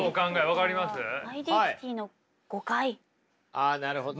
あなるほど。